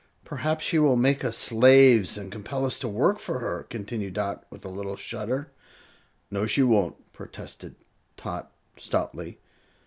"Perhaps she will make us slaves and compel us to work for her," continued Dot, with a little shudder. "No, she won't," protested Tot, stoutly.